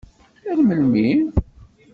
Ar melmi?